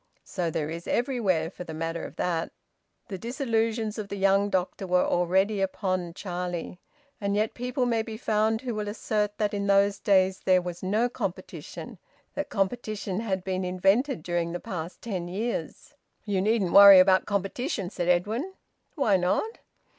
So there is everywhere, for the matter of that." The disillusions of the young doctor were already upon Charlie. And yet people may be found who will assert that in those days there was no competition, that competition has been invented during the past ten years. "You needn't worry about competition," said Edwin. "Why not?"